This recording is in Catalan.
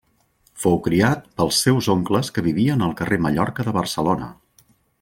Fou criat pels seus oncles que vivien al carrer Mallorca de Barcelona.